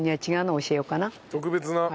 特別な。